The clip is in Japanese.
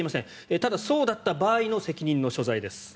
ただ、そうだった場合の責任の所在です。